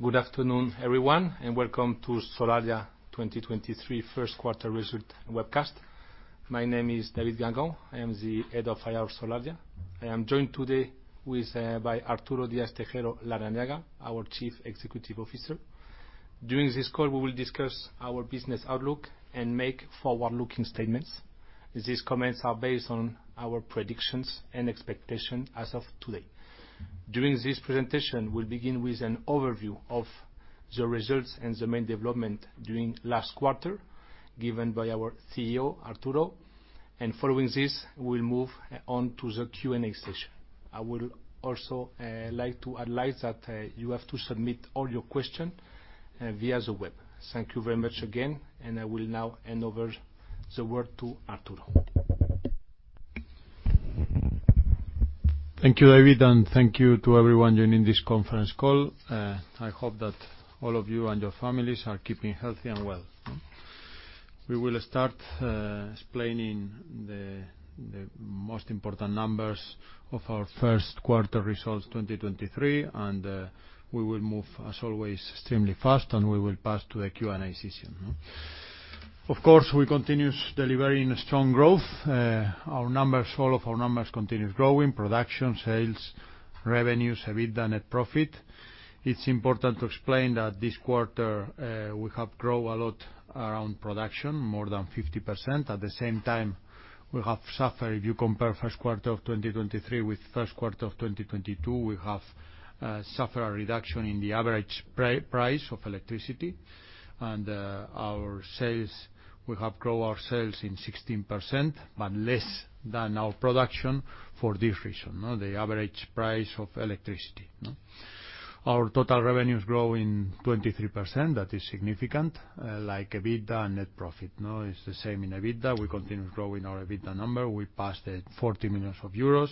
Good afternoon, everyone, and welcome to Solaria 2023 first quarter result webcast. My name is David Guengant. I am the Head of IR Solaria. I am joined today by Arturo Díaz-Tejero Larrañaga, our Chief Executive Officer. During this call, we will discuss our business outlook and make forward-looking statements. These comments are based on our predictions and expectation as of today. During this presentation, we'll begin with an overview of the results and the main development during last quarter given by our CEO, Arturo. Following this, we'll move on to the Q&A session. I will also like to advise that you have to submit all your question via the web. Thank you very much again, and I will now hand over the word to Arturo. Thank you, David, thank you to everyone joining this conference call. I hope that all of you and your families are keeping healthy and well. We will start explaining the most important numbers of our first quarter results 2023. We will move as always extremely fast. We will pass to the Q&A session. Of course, we continues delivering strong growth. Our numbers, all of our numbers continues growing: production, sales, revenues, EBITDA, net profit. It's important to explain that this quarter, we have grow a lot around production, more than 50%. At the same time, if you compare first quarter of 2023 with first quarter of 2022, we have suffer a reduction in the average price of electricity. Our sales, we have grow our sales in 16%, but less than our production for this reason, no, the average price of electricity, no. Our total revenues grow in 23%, that is significant, like EBITDA and net profit, no? It's the same in EBITDA. We continue growing our EBITDA number. We passed 40 million euros,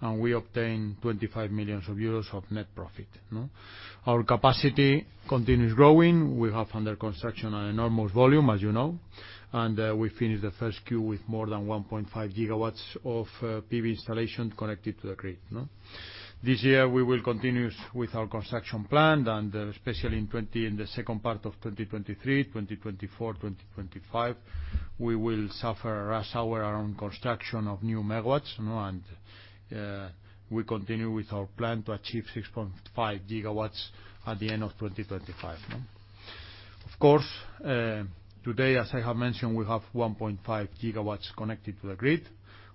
and we obtain 25 million euros of net profit, no? Our capacity continues growing. We have under construction an enormous volume, as you know, and we finish the first Q with more than 1.5 GW of PV installation connected to the grid, no? This year, we will continues with our construction plan and especially in the second part of 2023, 2024, 2025, we will suffer rush hour around construction of new megawatts, no. We continue with our plan to achieve 6.5 GW at the end of 2025, no? Of course, today, as I have mentioned, we have 1.5 GW connected to the grid.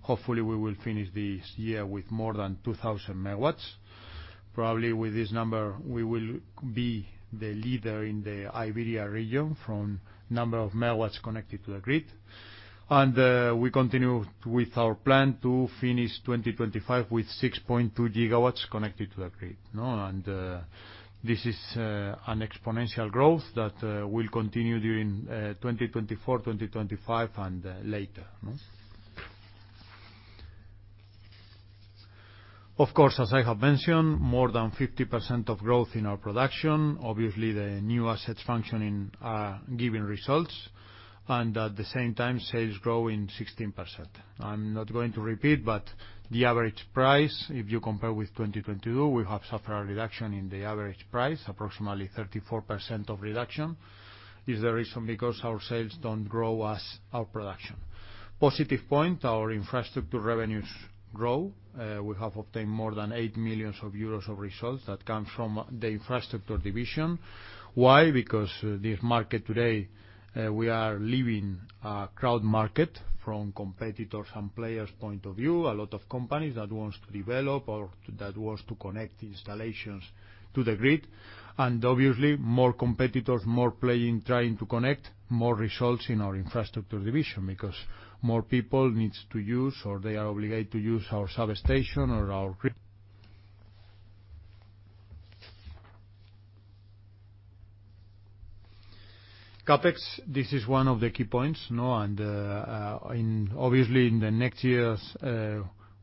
Hopefully, we will finish this year with more than 2,000 MW. Probably with this number, we will be the leader in the Iberia region from number of megawatts connected to the grid. We continue with our plan to finish 2025 with 6.2 GW connected to the grid, no? This is an exponential growth that will continue during 2024, 2025, and later, no? Of course, as I have mentioned, more than 50% of growth in our production. Obviously, the new assets functioning are giving results. At the same time, sales grow in 16%. I'm not going to repeat. The average price, if you compare with 2022, we have suffer a reduction in the average price, approximately 34% of reduction. Is the reason because our sales don't grow as our production. Positive point, our infrastructure revenues grow. We have obtained more than 8 million euros of results that come from the infrastructure division. Why? This market today, we are living a crowd market from competitors and players' point of view, a lot of companies that wants to develop or that wants to connect installations to the grid. Obviously, more competitors, more playing, trying to connect, more results in our infrastructure division because more people needs to use or they are obligated to use our substation or our CapEx, this is one of the key points, no? In, obviously, in the next years,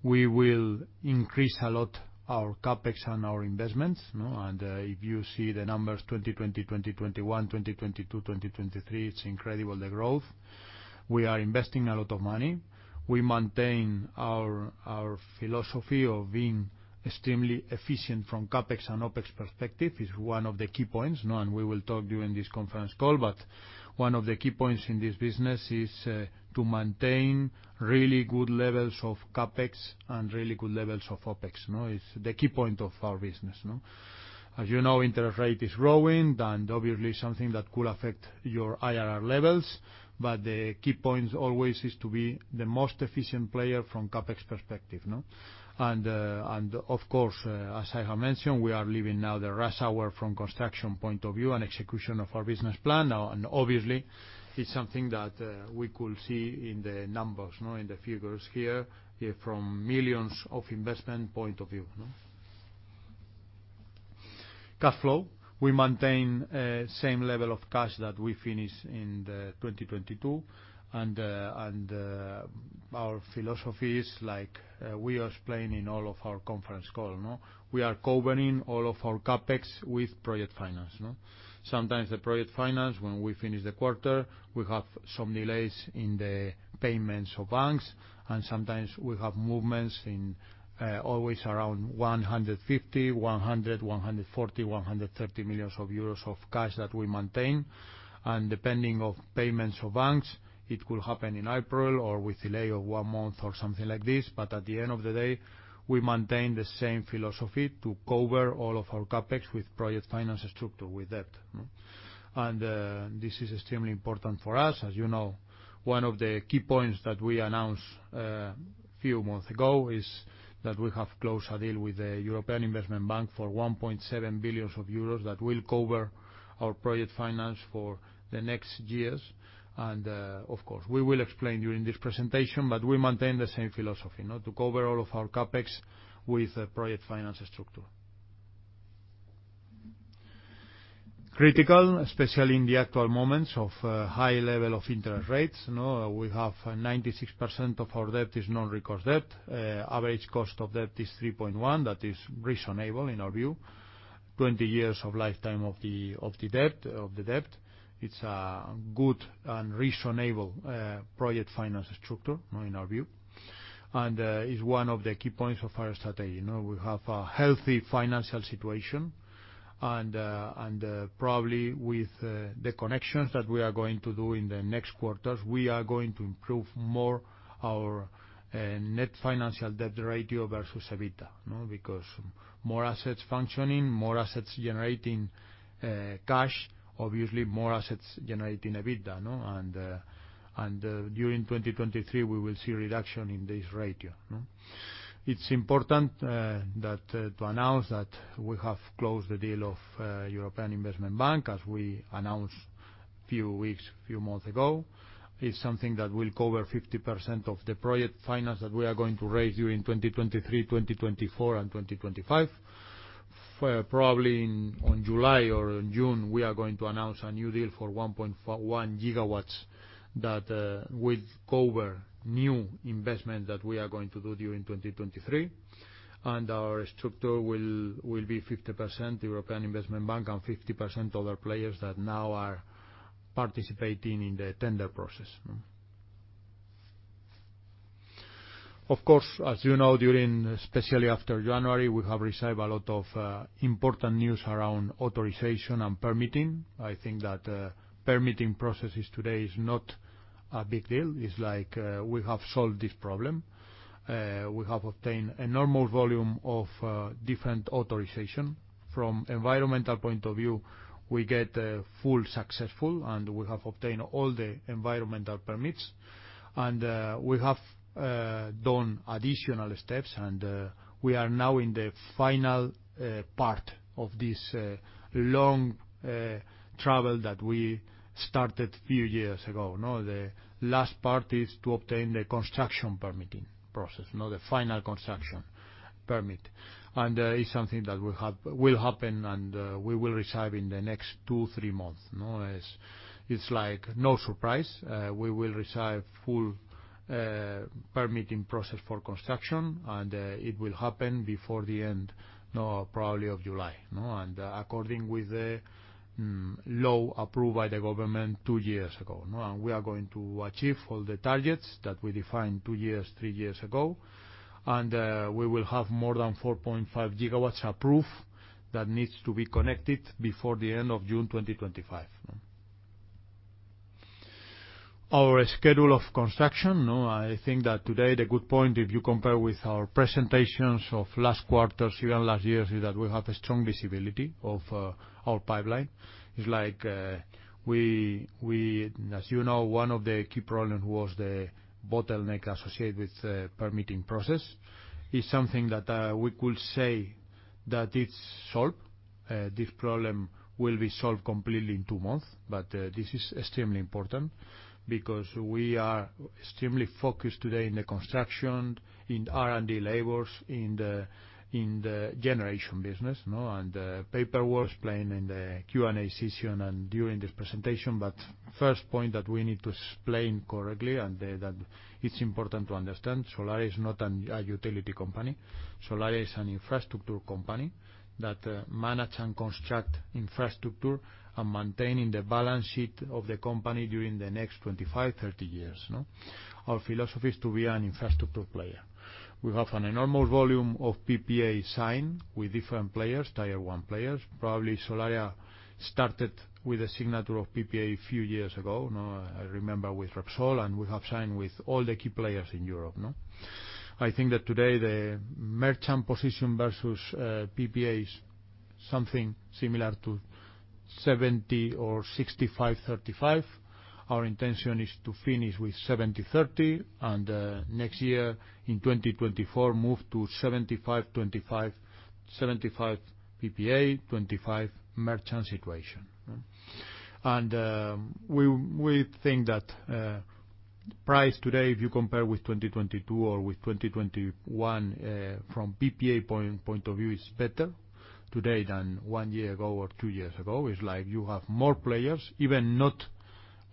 we will increase a lot our CapEx and our investments, no? If you see the numbers, 2020, 2021, 2022, 2023, it's incredible the growth. We are investing a lot of money. We maintain our philosophy of being extremely efficient from CapEx and OpEx perspective. It's one of the key points, no, and we will talk during this conference call. One of the key points in this business is to maintain really good levels of CapEx and really good levels of OpEx, no? It's the key point of our business, no? As you know, interest rate is growing and obviously something that could affect your IRR levels. The key points always is to be the most efficient player from CapEx perspective, no? Of course, as I have mentioned, we are living now the rush hour from construction point of view and execution of our business plan. Obviously, it's something that we could see in the numbers, no, in the figures here, from millions of investment point of view, no? Cash flow. We maintain same level of cash that we finish in 2022. Our philosophy is like we are explaining all of our conference call, no? We are covering all of our CapEx with project finance, no? Sometimes the project finance, when we finish the quarter, we have some delays in the payments of banks, sometimes we have movements in, always around 150 million, 100 million, 140 million, 130 million euros of cash that we maintain. Depending of payments of banks, it will happen in April or with delay of one month or something like this. At the end of the day, we maintain the same philosophy to cover all of our CapEx with project finance structure with debt, no? This is extremely important for us. As you know, one of the key points that we announced few months ago is that we have closed a deal with the European Investment Bank for 1.7 billion euros that will cover our project finance for the next years. Of course, we will explain during this presentation, but we maintain the same philosophy, no? To cover all of our CapEx with a project finance structure. Critical, especially in the actual moments of high level of interest rates, no? We have 96% of our debt is non-recourse debt. Average cost of debt is 3.1. That is reasonable in our view. 20 years of lifetime of the debt. It's a good and reasonable project finance structure, no, in our view, and is one of the key points of our strategy. You know, we have a healthy financial situation, and probably with the connections that we are going to do in the next quarters, we are going to improve more our net financial debt ratio versus EBITDA, no? More assets functioning, more assets generating cash, obviously more assets generating EBITDA, no? During 2023, we will see reduction in this ratio, no? It's important to announce that we have closed the deal of European Investment Bank, as we announced few weeks, few months ago. It's something that will cover 50% of the project finance that we are going to raise during 2023, 2024, and 2025. Probably on July or in June, we are going to announce a new deal for 1.1 GW that will cover new investment that we are going to do during 2023. Our structure will be 50% European Investment Bank and 50% other players that now are participating in the tender process, no? Of course, as you know, during, especially after January, we have received a lot of important news around authorization and permitting. I think that permitting processes today is not a big deal. It's like we have solved this problem. We have obtained a normal volume of different authorization. From environmental point of view, we get full successful, and we have obtained all the environmental permits. We have done additional steps, and we are now in the final part of this long travel that we started few years ago, no? The last part is to obtain the construction permitting process, no? The final construction permit. It's something that will happen, and we will receive in the next two, three months, no? It's like no surprise. We will receive full permitting process for construction. It will happen before the end, probably of July. According with the law approved by the government two years ago. We are going to achieve all the targets that we defined two years, three years ago. We will have more than 4.5 GW approved that needs to be connected before the end of June 2025. Our schedule of construction. I think that today the good point, if you compare with our presentations of last quarters, even last years, is that we have a strong visibility of our pipeline. It's like, as you know, one of the key problem was the bottleneck associated with the permitting process. It's something that we could say that it's solved. This problem will be solved completely in two months. This is extremely important because we are extremely focused today in the construction, in R&D labors, in the generation business. Paperwork explained in the Q&A session and during this presentation. First point that we need to explain correctly, that it's important to understand, Solaria is not a utility company. Solaria is an infrastructure company that manage and construct infrastructure and maintaining the balance sheet of the company during the next 25, 30 years. Our philosophy is to be an infrastructure player. We have an enormous volume of PPA signed with different players, tier one players. Probably Solaria started with the signature of PPA a few years ago. I remember with Repsol, we have signed with all the key players in Europe. I think that today the merchant position versus PPAs something similar to 70 or 65/35. Our intention is to finish with 70/30, next year, in 2024, move to 75/25. 75% PPA, 25% merchant situation. We think that Price today, if you compare with 2022 or with 2021, from PPA point of view, it's better today than one year ago or two years ago. It's like you have more players, even not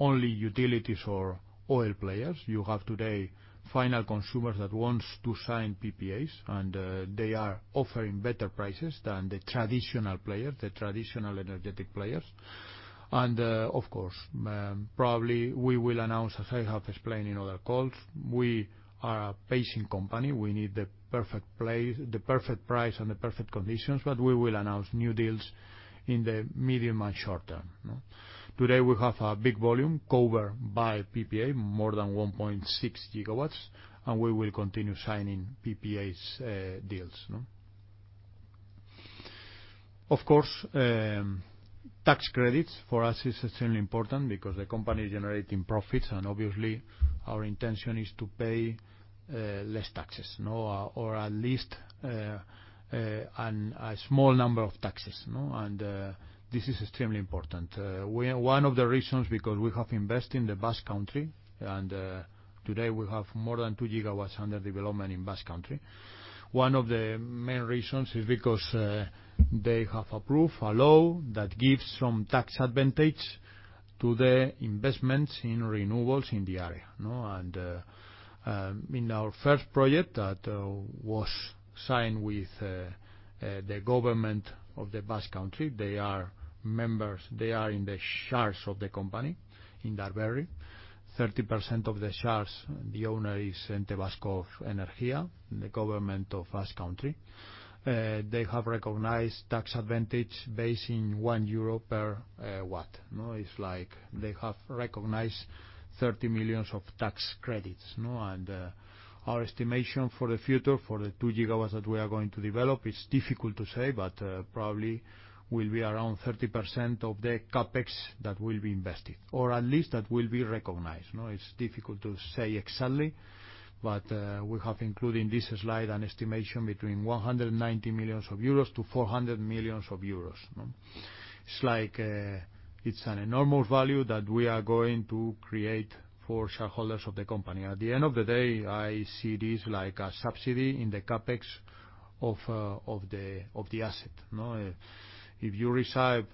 only utilities or oil players. You have today final consumers that wants to sign PPAs, they are offering better prices than the traditional players, the traditional energetic players. Of course, probably we will announce, as I have explained in other calls, we are a patient company. We need the perfect place, the perfect price, and the perfect conditions. We will announce new deals in the medium and short term, no? Today, we have a big volume covered by PPA, more than 1.6 GW, and we will continue signing PPAs deals, no? Of course, tax credits for us is extremely important because the company is generating profits, and obviously, our intention is to pay less taxes, no? Or at least, a small number of taxes, no? This is extremely important. One of the reasons because we have invested in the Basque Country, and today we have more than 2 GW under development in Basque Country. One of the main reasons is because they have approved a law that gives some tax advantage to the investments in renewables in the area, no? In our first project that was signed with the government of the Basque Country, they are members, they are in the shares of the company, Indarberri. 30% of the shares, the owner is Ente Vasco de la Energía, the government of Basque Country. They have recognized tax advantage based in 1 euro per watt, no? It's like they have recognized 30 million of tax credits, no? Our estimation for the future, for the 2 GW that we are going to develop, it's difficult to say, but probably will be around 30% of the CapEx that will be invested, or at least that will be recognized, no? It's difficult to say exactly, but we have included in this slide an estimation between 190 million-400 million euros, no? It's like, it's an enormous value that we are going to create for shareholders of the company. At the end of the day, I see this like a subsidy in the CapEx of the asset, no? If you receive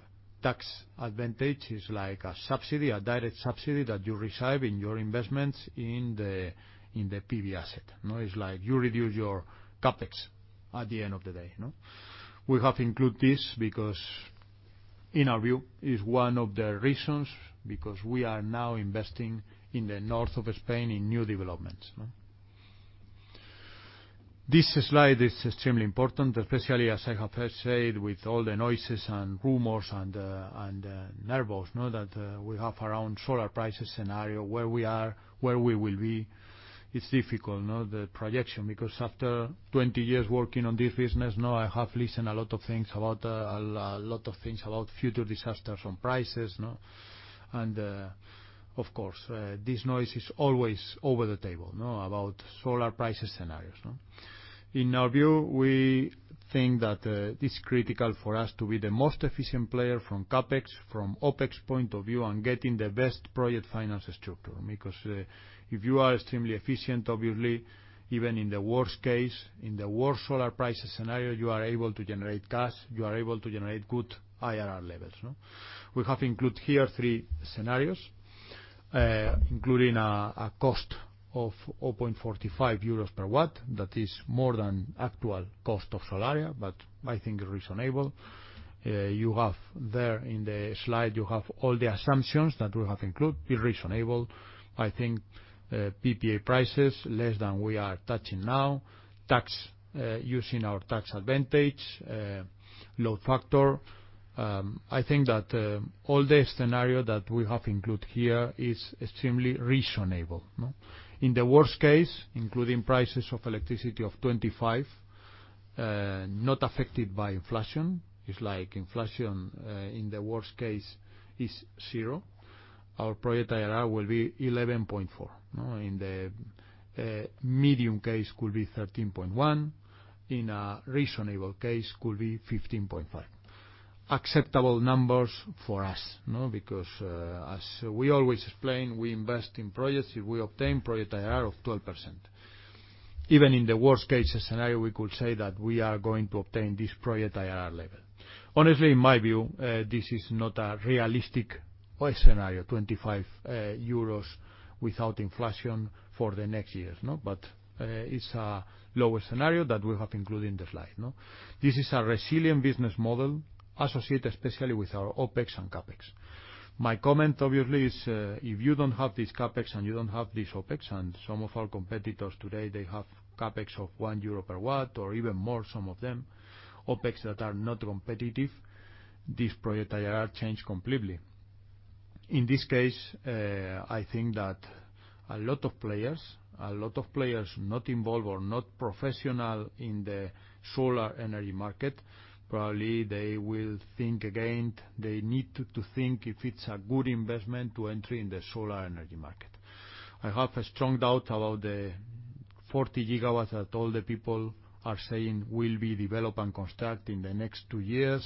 tax advantage, it's like a subsidy, a direct subsidy that you receive in your investments in the PV asset, no? It's like you reduce your CapEx at the end of the day, no? We have included this because in our view, it's one of the reasons because we are now investing in the north of Spain in new developments, no? This slide is extremely important, especially as I have said, with all the noises and rumors and nervous, no? That we have around solar prices scenario, where we are, where we will be. It's difficult, no? The projection, because after 20 years working on this business, I have listened a lot of things about a lot of things about future disasters on prices. And of course, this noise is always over the table about solar prices scenarios. In our view, we think that it's critical for us to be the most efficient player from CapEx, from OpEx point of view, and getting the best project finance structure. Because if you are extremely efficient, obviously, even in the worst case, in the worst solar prices scenario, you are able to generate cash, you are able to generate good IRR levels. We have included here three scenarios, including a cost of 0.45 euros per watt. That is more than actual cost of Solaria, but I think reasonable. You have there in the slide, you have all the assumptions that we have included, reasonable. I think PPA prices less than we are touching now. Tax, using our tax advantage, load factor. I think that all the scenario that we have included here is extremely reasonable, no? In the worst case, including prices of electricity of 25, not affected by inflation, it's like inflation in the worst case is zero. Our project IRR will be 11.4%, no? In the medium case could be 13.1%. In a reasonable case could be 15.5%. Acceptable numbers for us, no? As we always explain, we invest in projects if we obtain project IRR of 12%. Even in the worst case scenario, we could say that we are going to obtain this project IRR level. Honestly, in my view, this is not a realistic scenario, 25 euros without inflation for the next years, no? It's a lower scenario that we have included in the slide, no? This is a resilient business model associated especially with our OpEx and CapEx. My comment obviously is, if you don't have this CapEx and you don't have this OpEx, and some of our competitors today, they have CapEx of 1 euro per watt or even more, some of them, OpEx that are not competitive, this project IRR change completely. In this case, I think that a lot of players, a lot of players not involved or not professional in the solar energy market, probably they will think again. They need to think if it's a good investment to enter in the solar energy market. I have a strong doubt about the 40 GW that all the people are saying will be developed and constructed in the next two years,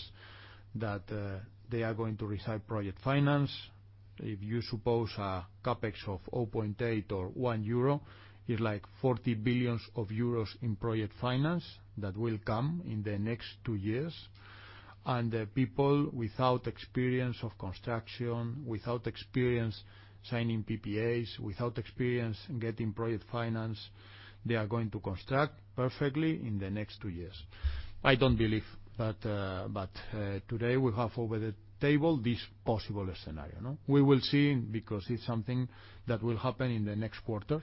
that they are going to receive project finance. If you suppose a CapEx of 0.8 or 1 euro, it's like 40 billion euros in project finance that will come in the next two years. The people without experience of construction, without experience signing PPAs, without experience in getting project finance, they are going to construct perfectly in the next two years. I don't believe that. Today, we have over the table this possible scenario, no? We will see because it's something that will happen in the next quarters,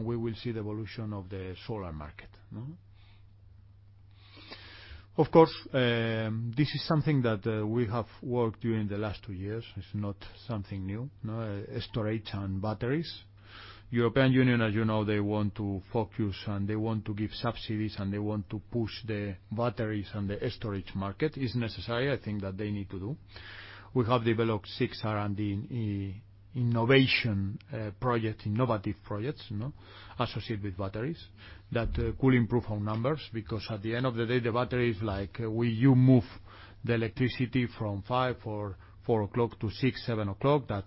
we will see the evolution of the solar market, no? Of course, this is something that we have worked during the last two years. It's not something new, no, storage and batteries. European Union, as you know, they want to focus, and they want to give subsidies, and they want to push the batteries and the storage market. It's necessary. I think that they need to do. We have developed six R&D innovative projects, you know, associated with batteries that could improve our numbers. At the end of the day, the battery is like when you move the electricity from five or four o'clock to six, seven o'clock, that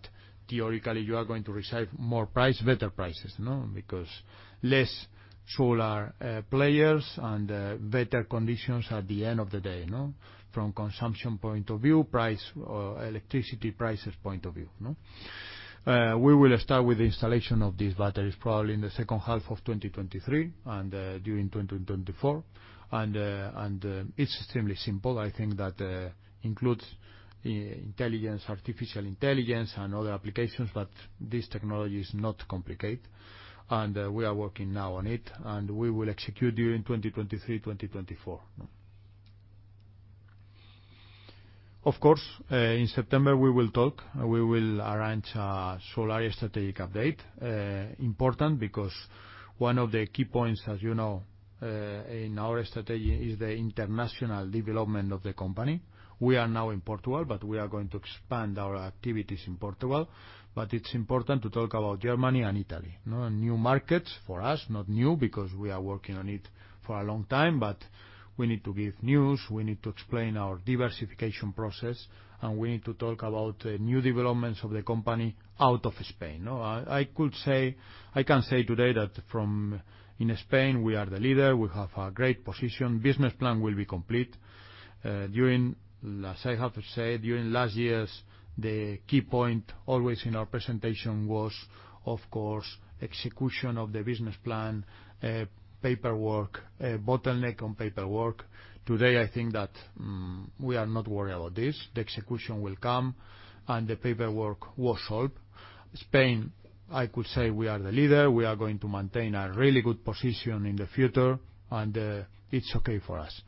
theoretically you are going to receive more price, better prices, no. Less solar players and better conditions at the end of the day, no. From consumption point of view, price, or electricity prices point of view, no. We will start with the installation of these batteries probably in the second half of 2023 and during 2024. It's extremely simple. I think that includes intelligence, artificial intelligence and other applications, but this technology is not complicated. We are working now on it, and we will execute during 2023, 2024, no? Of course, in September, we will talk. We will arrange a Solaria strategic update. Important because one of the key points, as you know, in our strategy is the international development of the company. We are now in Portugal, but we are going to expand our activities in Portugal. It's important to talk about Germany and Italy, no? New markets for us, not new because we are working on it for a long time, but we need to give news. We need to explain our diversification process, and we need to talk about the new developments of the company out of Spain. I could say, I can say today that in Spain, we are the leader. We have a great position. Business plan will be complete. During, as I have said, during last years, the key point always in our presentation was, of course, execution of the business plan, paperwork, bottleneck on paperwork. Today, I think that we are not worried about this. The execution will come, and the paperwork was solved. Spain, I could say we are the leader. We are going to maintain a really good position in the future, and it's okay for us.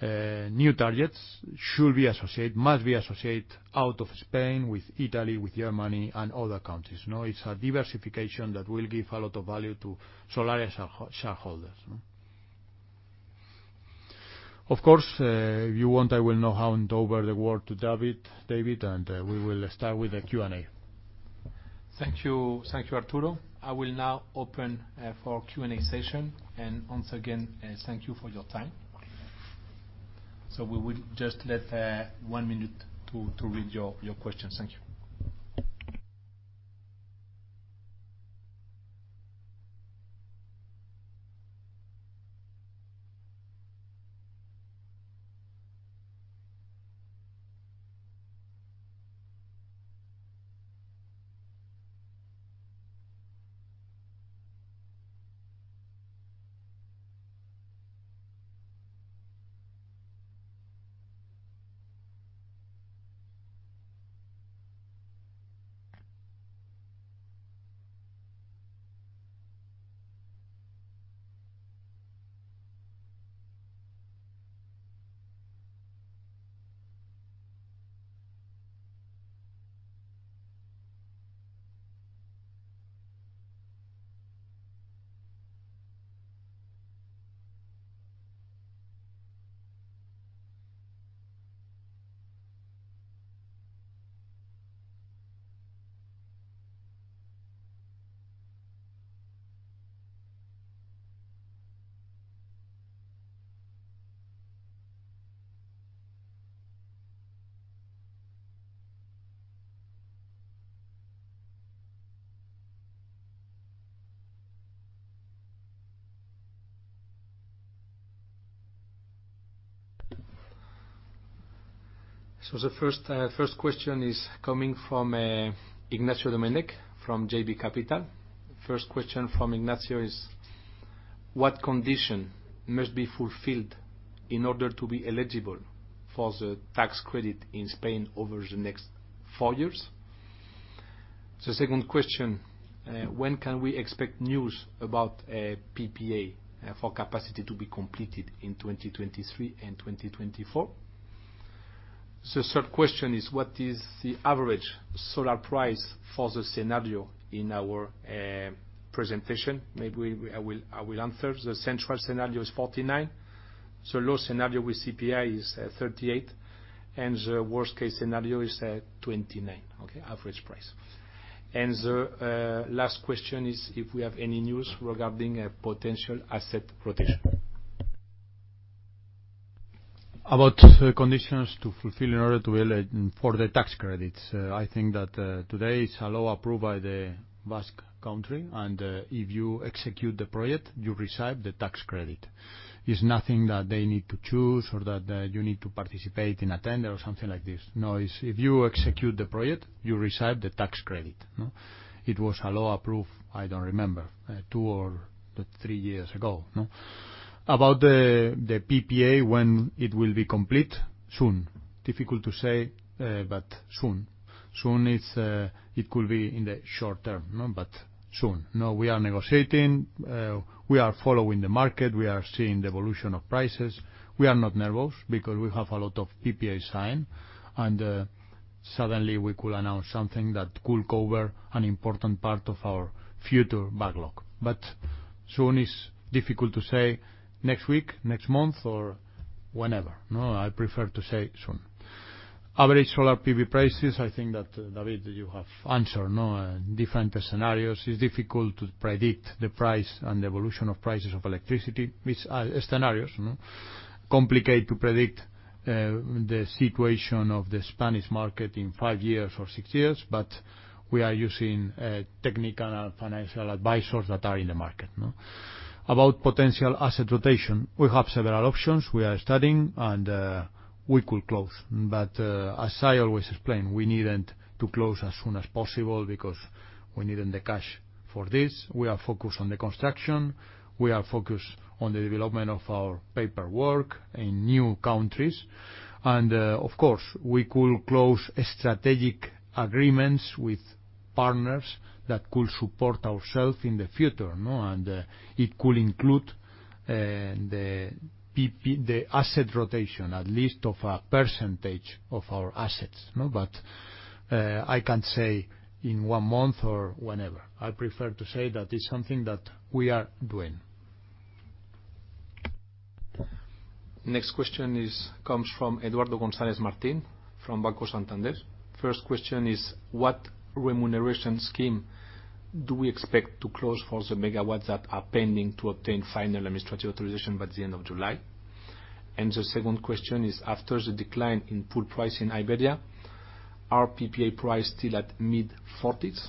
New targets should be associated, must be associated out of Spain with Italy, with Germany, and other countries, no? It's a diversification that will give a lot of value to Solaria's shareholders, no? Of course, if you want, I will now hand over the word to David, and we will start with the Q&A. Thank you. Thank you, Arturo. I will now open for Q&A session. Once again, thank you for your time. We will just let one minute to read your questions. Thank you. The first question is coming from Ignacio Doménech from JB Capital. First question from Ignacio is, what condition must be fulfilled in order to be eligible for the tax credit in Spain over the next four years? The second question, when can we expect news about a PPA for capacity to be completed in 2023 and 2024? The third question is, what is the average solar price for the scenario in our presentation? Maybe I will answer. The central scenario is 49. Low scenario with CPI is 38, and the worst-case scenario is 29, okay? Average price. The last question is if we have any news regarding a potential asset protection. About the conditions to fulfill in order to be eligible for the tax credits, I think that today it's a law approved by the Basque Country, and if you execute the project, you receive the tax credit. It's nothing that they need to choose or that you need to participate in a tender or something like this. It's if you execute the project, you receive the tax credit. It was a law approved, I don't remember, two or three years ago. About the PPA, when it will be complete, soon. Difficult to say, but soon. Soon, it's, it could be in the short term. But soon. We are negotiating, we are following the market. We are seeing the evolution of prices. We are not nervous because we have a lot of PPA signed. Suddenly, we could announce something that could cover an important part of our future backlog. Soon, it's difficult to say next week, next month or whenever, no? I prefer to say soon. Average solar PV prices, I think that, David, you have answered, no, on different scenarios. It's difficult to predict the price and the evolution of prices of electricity. These are scenarios, no? Complicated to predict the situation of the Spanish market in five years or six years. We are using technical and financial advisors that are in the market, no? About potential asset rotation, we have several options. We are studying. We could close. As I always explain, we needn't to close as soon as possible because we needn't the cash for this. We are focused on the construction. We are focused on the development of our paperwork in new countries. Of course, we could close strategic agreements with partners that could support ourselves in the future, no? It could include the PPA, the asset rotation, at least of a percentage of our assets, no? I can't say in one month or whenever. I prefer to say that it's something that we are doing. Next question is, comes from Eduardo González Martín from Banco Santander. First question is, what remuneration scheme do we expect to close for the megawatts that are pending to obtain final administrative authorization by the end of July? The second question is, after the decline in pool price in Iberia, are PPA price still at mid-40s?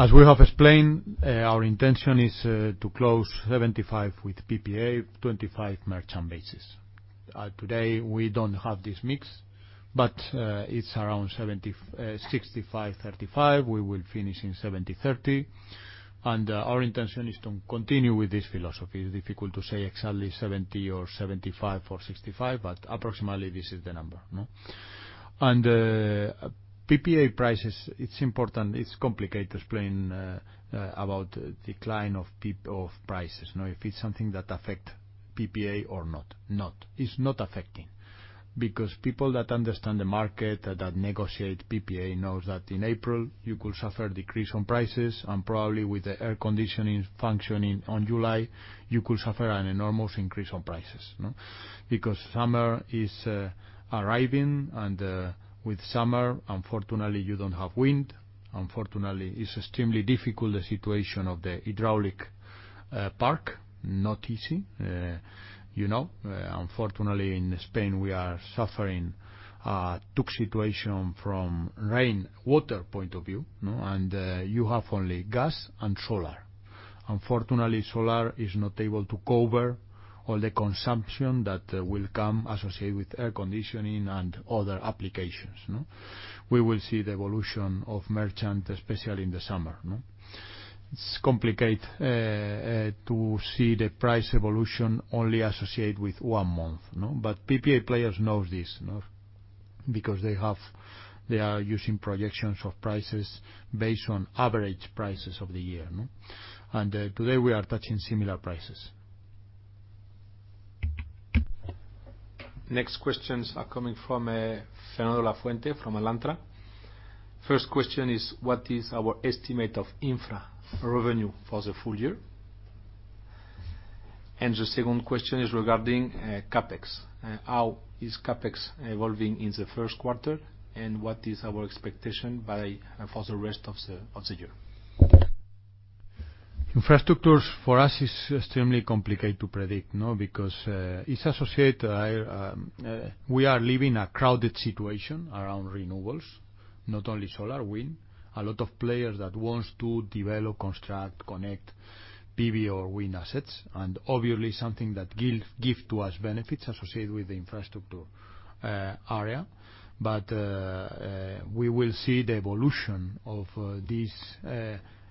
As we have explained, our intention is to close 75 with PPA, 25 merchant basis. Today, we don't have this mix, but it's around 70, 65/35. We will finish in 70/30, and our intention is to continue with this philosophy. It's difficult to say exactly 70 or 75 or 65, but approximately this is the number, no? PPA prices, it's important, it's complicated to explain about decline of prices if it's something that affect PPA or not. Not. It's not affecting because people that understand the market, that negotiate PPA knows that in April you could suffer a decrease on prices and probably with the air conditioning functioning on July, you could suffer an enormous increase on prices, no? Because summer is arriving, and with summer, unfortunately, you don't have wind. Unfortunately, it's extremely difficult, the situation of the hydraulic park. Not easy, you know. Unfortunately, in Spain, we are suffering a tough situation from rain, water point of view, no? You have only gas and solar. Unfortunately, solar is not able to cover all the consumption that will come associated with air conditioning and other applications, no? We will see the evolution of merchant, especially in the summer, no? It's complicated to see the price evolution only associated with one month, no? PPA players know this, no? Because they are using projections of prices based on average prices of the year, no? Today, we are touching similar prices. Next questions are coming from Fernando Lafuente from Alantra. First question is, what is our estimate of infra revenue for the full year? The second question is regarding CapEx. How is CapEx evolving in the first quarter, and what is our expectation for the rest of the year? Infrastructures for us is extremely complicated to predict, no? Because it's associated, we are living a crowded situation around renewables, not only solar, wind. A lot of players that wants to develop, construct, connect PV or wind assets, obviously, something that give to us benefits associated with the infrastructure area. We will see the evolution of this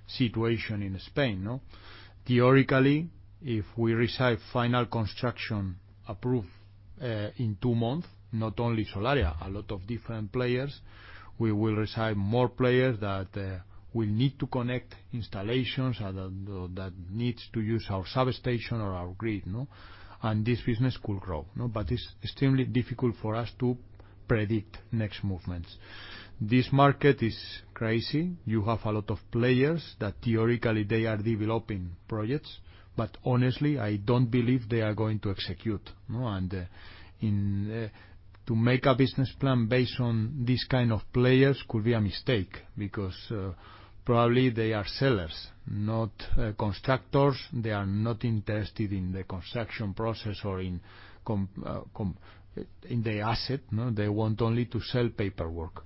situation in Spain, no? Theoretically, if we receive final construction approved. In two months, not only Solaria, a lot of different players. We will receive more players that will need to connect installations and that needs to use our substation or our grid, no? This business could grow, no? It's extremely difficult for us to predict next movements. This market is crazy. You have a lot of players that theoretically they are developing projects, but honestly, I don't believe they are going to execute, no? To make a business plan based on these kind of players could be a mistake because probably they are sellers, not constructors. They are not interested in the construction process or in the asset, no? They want only to sell paperwork.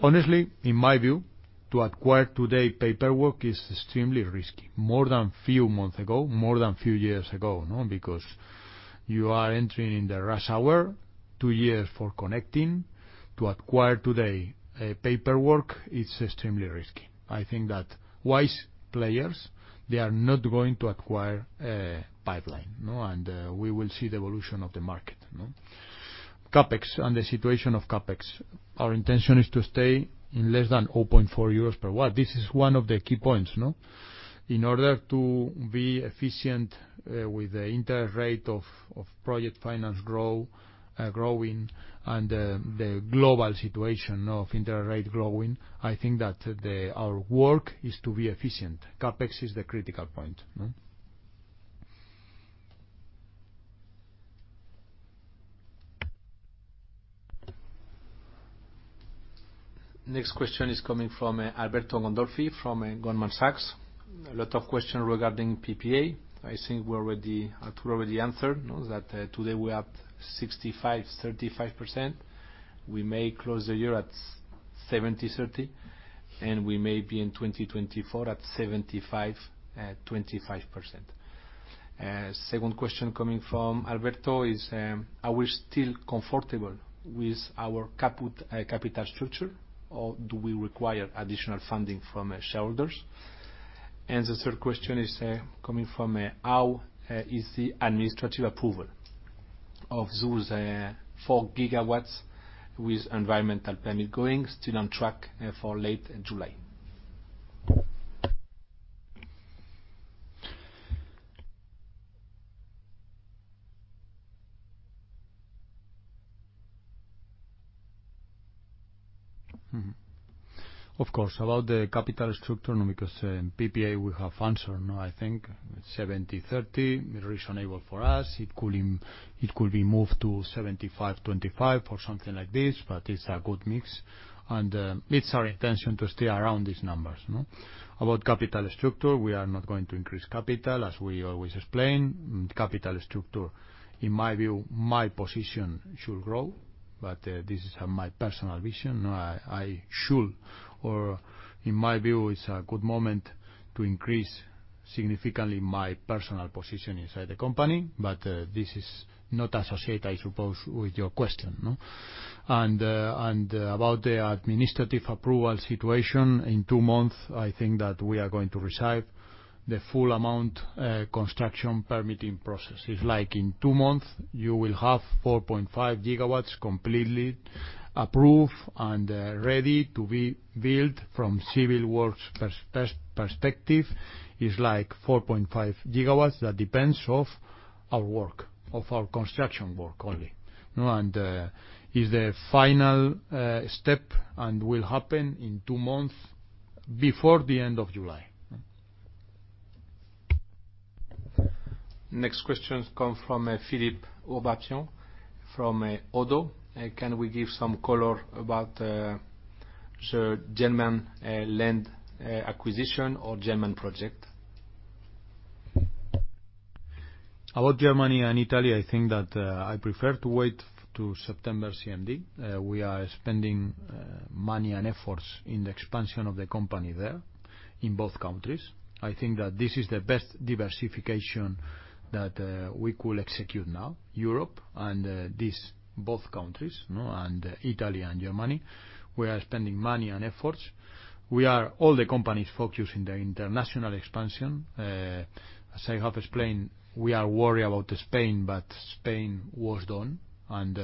Honestly, in my view, to acquire today paperwork is extremely risky. More than few months ago, more than few years ago, no? You are entering in the rush hour, two years for connecting. To acquire today paperwork is extremely risky. I think that wise players, they are not going to acquire a pipeline, no? We will see the evolution of the market, no? CapEx and the situation of CapEx. Our intention is to stay in less than 0.4 euros per watt. This is one of the key points, no? In order to be efficient, with the inter-rate of project finance growing, and the global situation of inter-rate growing, I think that our work is to be efficient. CapEx is the critical point, no? Next question is coming from Alberto Gandolfi from Goldman Sachs. A lot of questions regarding PPA. I think we already, Arturo already answered, no? That today we're up 65%-35%. We may close the year at 70%-30%, and we may be in 2024 at 75%-25%. Second question coming from Alberto is, are we still comfortable with our capital structure, or do we require additional funding from shareholders? The third question is coming from how is the administrative approval of those 4 GW with environmental permit going? Still on track for late July. Of course, about the capital structure, no, because in PPA we have answered, no, I think. 70%-30% is reasonable for us. It could be moved to 75%-25% or something like this, but it's a good mix. It's our intention to stay around these numbers, no? About capital structure, we are not going to increase capital, as we always explain. Capital structure, in my view, my position should grow, but this is my personal vision, no. I should, or in my view, it's a good moment to increase significantly my personal position inside the company, but this is not associated, I suppose, with your question, no? About the administrative approval situation, in two months, I think that we are going to receive the full amount, construction permitting processes. Like in two months, you will have 4.5 GW completely approved and ready to be built from civil works perspective. It's like 4.5 GW that depends of our work, of our construction work only. No. is the final step and will happen in two months before the end of July. Next questions come from, Philippe Ourpatian from, ODDO. Can we give some color about, the German, land, acquisition or German project? About Germany and Italy, I think that, I prefer to wait to September CMD. We are spending money and efforts in the expansion of the company there in both countries. I think that this is the best diversification that we could execute now, Europe and these both countries, no, and Italy and Germany. We are spending money and efforts. All the company is focused in the international expansion. As I have explained, we are worried about Spain, but Spain was done, and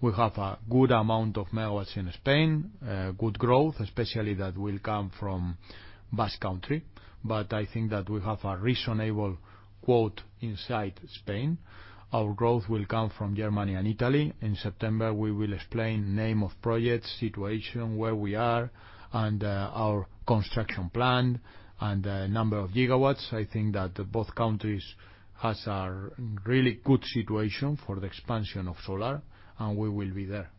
we have a good amount of megawatts in Spain, good growth, especially that will come from Basque Country. I think that we have a reasonable quote inside Spain. Our growth will come from Germany and Italy. In September, we will explain name of projects, situation, where we are, and our construction plan and number of gigawatts. I think that both countries has a really good situation for the expansion of solar, and we will be there.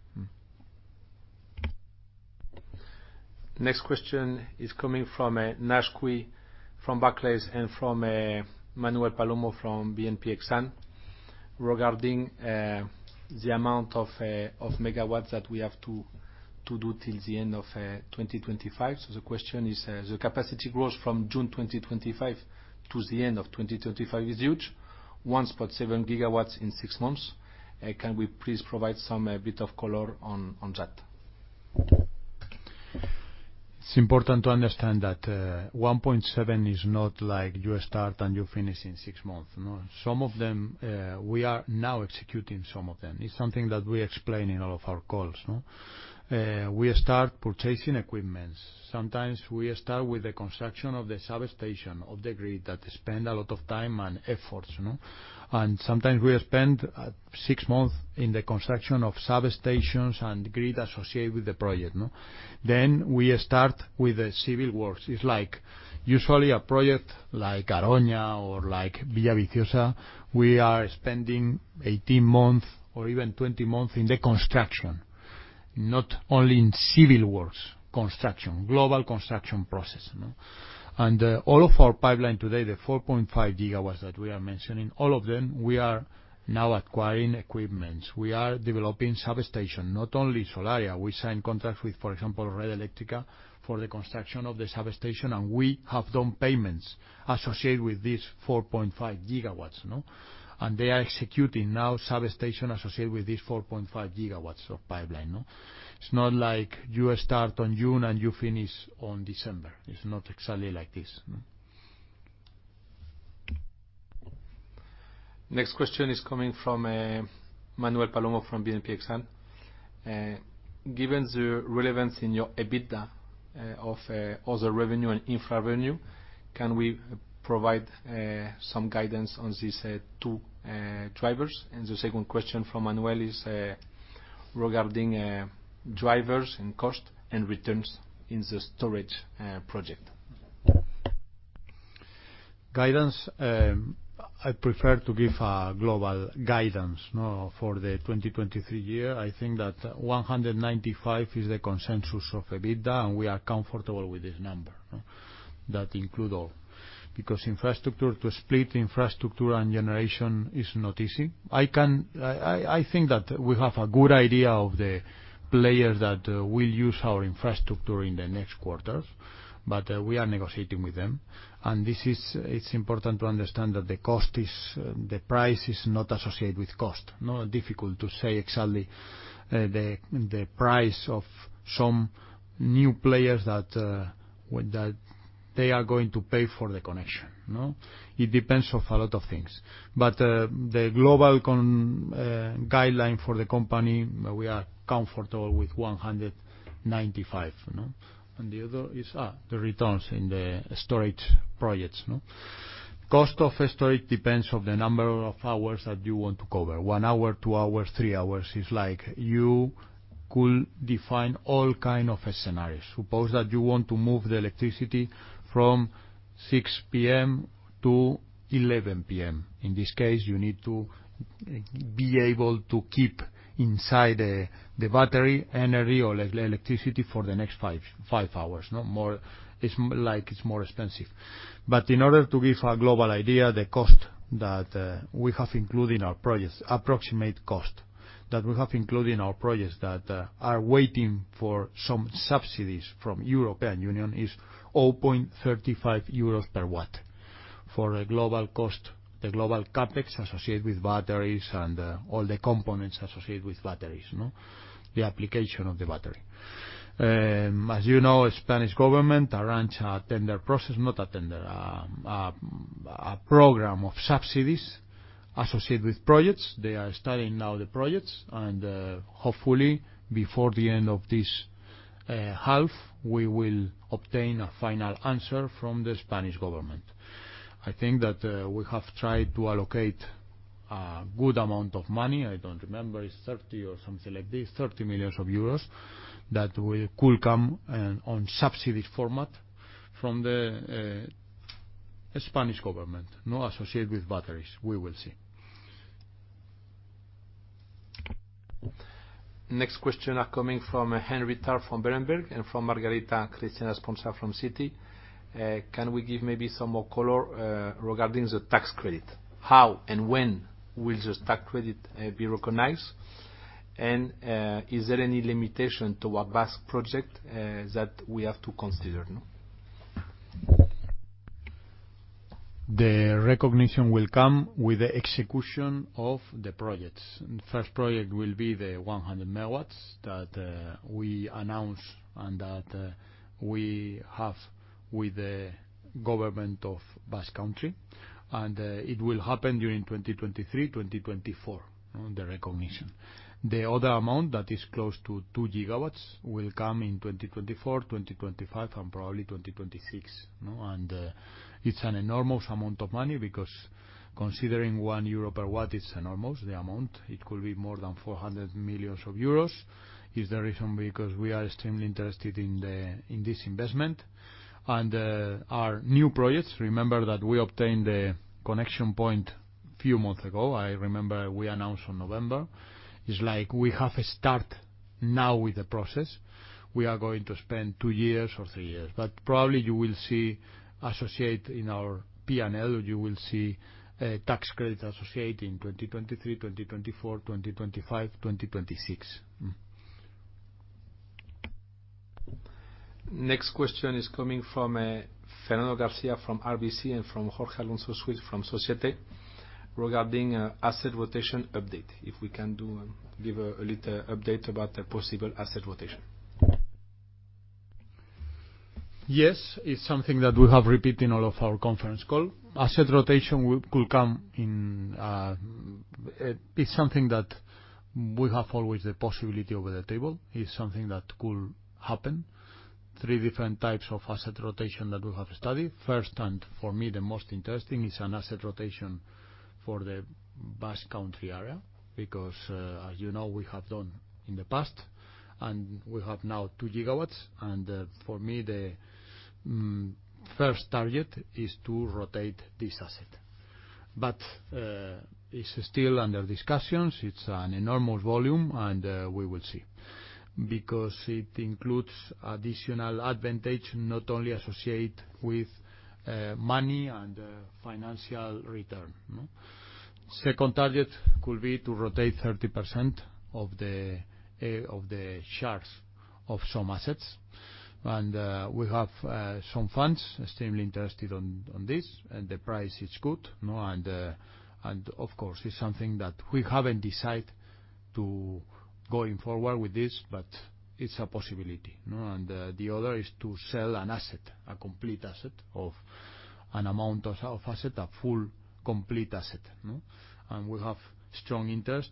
Next question is coming from Nashik Ho, from Barclays, and from Manuel Palomo from BNP Exane. Regarding the amount of megawatts that we have to do till the end of 2025. The question is, the capacity grows from June 2025 to the end of 2035 is huge, 1.7 GW in six months. Can we please provide some bit of color on that? It's important to understand that 1.7 is not like you start and you finish in six months, no. Some of them, we are now executing some of them. It's something that we explain in all of our calls, no. We start purchasing equipments. Sometimes we start with the construction of the substation of the grid that spend a lot of time and efforts, no. Sometimes we spend six months in the construction of substations and grid associated with the project, no. We start with the civil works. It's like usually a project like Garoña or like Villaviciosa, we are spending 18 months or even 20 months in the construction, not only in civil works construction, global construction process, no. All of our pipeline today, the 4.5 GW that we are mentioning, all of them, we are now acquiring equipments. We are developing substation, not only Solaria. We sign contracts with, for example, Red Eléctrica for the construction of the substation, and we have done payments associated with these 4.5 GW. They are executing now substation associated with these 4.5 GW of pipeline. It's not like you start on June and you finish on December. It's not exactly like this. Next question is coming from Manuel Palomo from BNP Exane. Given the relevance in your EBITDA of other revenue and infra-revenue, can we provide some guidance on these two drivers? The second question from Manuel is regarding drivers and cost and returns in the storage project. Guidance, I prefer to give a global guidance, no, for the 2023 year. I think that 195 is the consensus of EBITDA, and we are comfortable with this number, no? That include all. Because infrastructure, to split infrastructure and generation is not easy. I think that we have a good idea of the players that will use our infrastructure in the next quarters, but we are negotiating with them. This is important to understand that the cost is, the price is not associated with cost. No difficult to say exactly, the price of some new players that they are going to pay for the connection, no? It depends of a lot of things. The global guideline for the company, we are comfortable with 195, you know? The other is the returns in the storage projects. Cost of a storage depends on the number of hours that you want to cover. One hour, two hours, three hours. It's like you could define all kind of scenarios. Suppose that you want to move the electricity from 6:00 P.M. to 11:00 P.M. In this case, you need to be able to keep inside the battery energy or electricity for the next five hours, no more. It's like it's more expensive. In order to give a global idea, the approximate cost that we have included in our projects that are waiting for some subsidies from European Union is 0.35 euros per watt for a global cost, the global CapEx associated with batteries and all the components associated with batteries. The application of the battery. As you know, Spanish government arranged a tender process, not a tender, a program of subsidies associated with projects. They are studying now the projects, and hopefully before the end of this half, we will obtain a final answer from the Spanish government. I think that we have tried to allocate a good amount of money. I don't remember, it's 30 or something like this, 30 million euros that could come on subsidy format from the Spanish government, no, associated with batteries. We will see. Next question are coming from Henry Tarr from Berenberg and from Margarita Christiana from Citi. Can we give maybe some more color regarding the tax credit? How and when will this tax credit be recognized? Is there any limitation to our Basque project that we have to consider? The recognition will come with the execution of the projects. First project will be the 100 MW that we announced and that we have with the Government of Basque Country. It will happen during 2023, 2024, no, the recognition. The other amount that is close to 2 GW will come in 2024, 2025, and probably 2026, no? It's an enormous amount of money because considering 1 euro per watt, it's enormous, the amount. It could be more than 400 million euros. Is the reason because we are extremely interested in this investment. Our new projects, remember that we obtained the connection point few months ago. I remember we announced on November. It's like we have start now with the process. We are going to spend two years or three years. Probably you will see associate in our P&L, you will see, tax credits associated in 2023, 2024, 2025, 2026. Next question is coming from Fernando Garcia from RBC and from Jorge Alonso Suils from Société regarding asset rotation update. If we can do, give a little update about the possible asset rotation. Yes, it's something that we have repeat in all of our conference call. Asset rotation will, could come in. It's something that we have always the possibility over the table. It's something that could happen. Three different types of asset rotation that we have studied. First, and for me, the most interesting, is an asset rotation for the Basque Country area, because, as you know, we have done in the past, and we have now 2 GW. For me, the first target is to rotate this asset. It's still under discussions. It's an enormous volume, and we will see. It includes additional advantage, not only associated with money and financial return, no? Second target could be to rotate 30% of the shares of some assets. We have some funds extremely interested on this, and the price is good, no? Of course, it's something that we haven't decided to going forward with this, but it's a possibility, no? The other is to sell an asset, a complete asset of an amount of asset, a full, complete asset, no? We have strong interest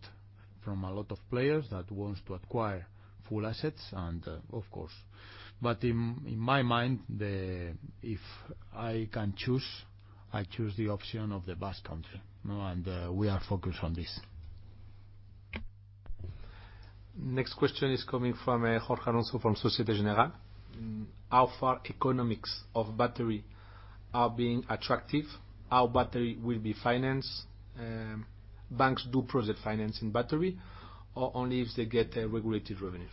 from a lot of players that wants to acquire full assets, and of course. In, in my mind, the... if I can choose, I choose the option of the Basque Country, no? We are focused on this. Next question is coming from, Jorge Alonso from Société Générale. How far economics of battery are being attractive? How battery will be financed? Banks do project finance in battery or only if they get a regulated revenue?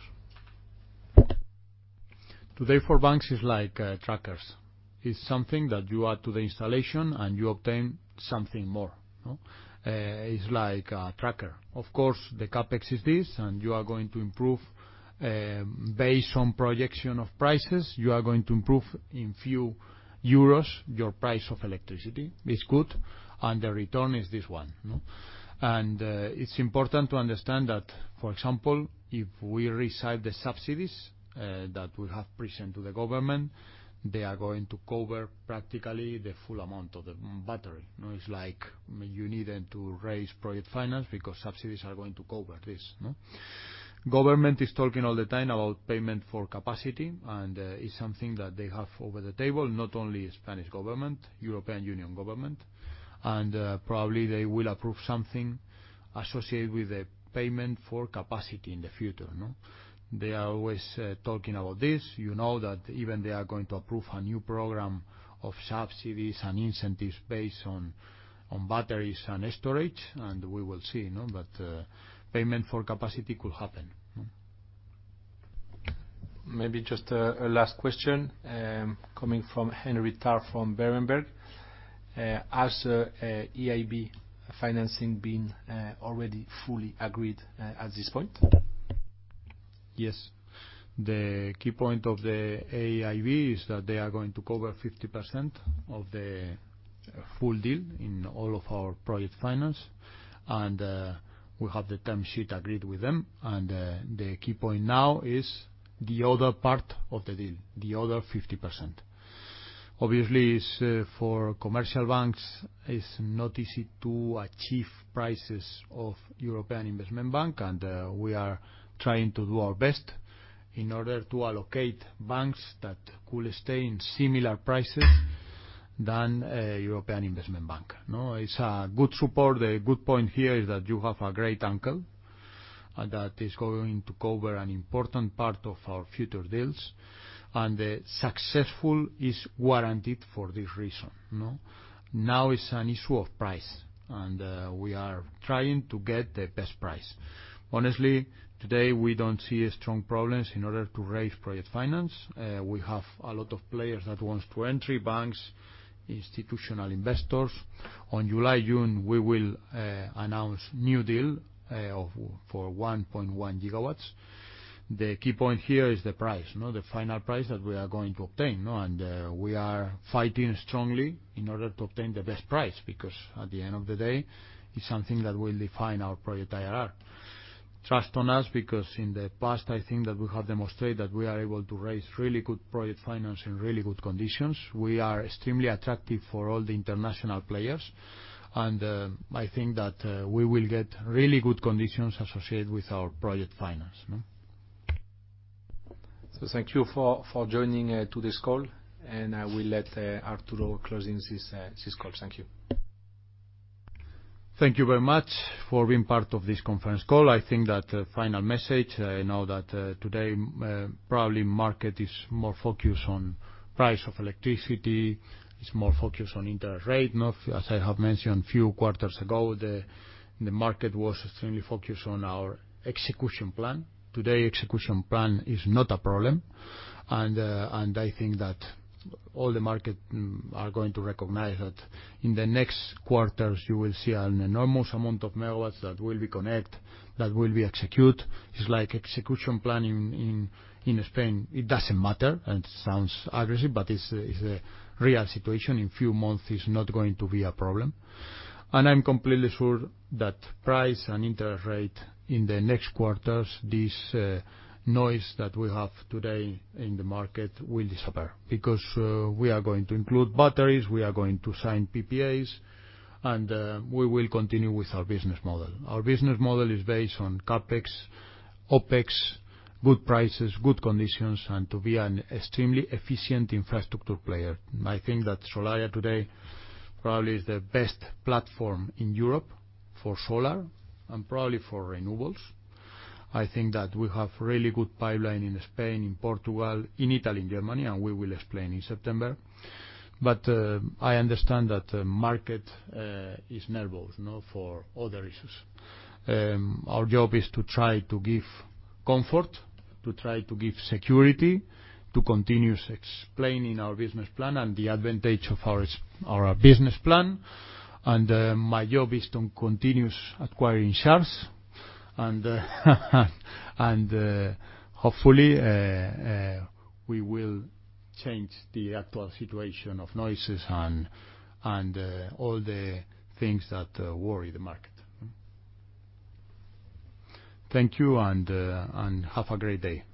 Today, for banks, it's like trackers. It's something that you add to the installation, and you obtain something more, no? It's like a tracker. Of course, the CapEx is this, and you are going to improve, based on projection of prices, you are going to improve in few euros your price of electricity. It's good, and the return is this one, no? It's important to understand that, for example, if we receive the subsidies, that we have presented to the government, they are going to cover practically the full amount of the battery, no? It's like you needn't to raise project finance because subsidies are going to cover this, no? Government is talking all the time about payment for capacity. It's something that they have over the table, not only Spanish government, European Union government. Probably they will approve something associated with the payment for capacity in the future, no? They are always talking about this. You know that even they are going to approve a new program of subsidies and incentives based on batteries and storage. We will see, no? Payment for capacity could happen. Maybe just a last question, coming from Henry Tarr from Berenberg. Has EIB financing been already fully agreed at this point? Yes. The key point of the EIB is that they are going to cover 50% of the full deal in all of our project finance. We have the term sheet agreed with them. The key point now is the other part of the deal, the other 50%. Obviously, it's for commercial banks, it's not easy to achieve prices of European Investment Bank, we are trying to do our best in order to allocate banks that could stay in similar prices than a European Investment Bank, no? It's a good support. A good point here is that you have a great uncle that is going to cover an important part of our future deals, and the successful is guaranteed for this reason, no? Now it's an issue of price, we are trying to get the best price. Honestly, today, we don't see strong problems in order to raise project finance. We have a lot of players that wants to entry, banks, institutional investors. On July, June, we will announce new deal for 1.1 GW. The key point here is the price, no? The final price that we are going to obtain, no? We are fighting strongly in order to obtain the best price, because at the end of the day, it's something that will define our project IRR. Trust on us, because in the past, I think that we have demonstrated that we are able to raise really good project finance in really good conditions. We are extremely attractive for all the international players, and I think that we will get really good conditions associated with our project finance, no? Thank you for joining today's call, and I will let Arturo closing this call. Thank you. Thank you very much for being part of this conference call. I think that the final message, I know that today, probably market is more focused on price of electricity. It's more focused on interest rate. As I have mentioned a few quarters ago, the market was extremely focused on our execution plan. Today, execution plan is not a problem. I think that all the market are going to recognize that in the next quarters, you will see an enormous amount of megawatts that will be connect, that will be execute. It's like execution plan in Spain, it doesn't matter. It sounds aggressive, but it's a real situation. In few months, it's not going to be a problem. I'm completely sure that price and interest rate in the next quarters, this noise that we have today in the market will disappear, because we are going to include batteries, we are going to sign PPAs, and we will continue with our business model. Our business model is based on CapEx, OpEx, good prices, good conditions, and to be an extremely efficient infrastructure player. I think that Solaria today probably is the best platform in Europe for solar and probably for renewables. I think that we have really good pipeline in Spain, in Portugal, in Italy, in Germany, and we will explain in September. I understand that the market is nervous, no, for other issues. Our job is to try to give comfort, to try to give security, to continue explaining our business plan and the advantage of our business plan. My job is to continue acquiring shares and hopefully we will change the actual situation of noises and all the things that worry the market. Thank you. Have a great day.